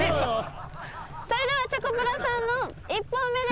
それではチョコプラさんの１本目です。